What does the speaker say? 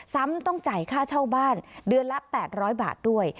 ซ้ำต้องจ่ายค่าเช่าบ้านเดือนละ๘๐๐บาทด้วย